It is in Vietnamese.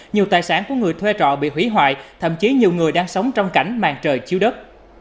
nhiều tài sản của người thuê trọ bị hủy hoại thậm chí nhiều người đang sống trong cảnh màn trời chiếu đất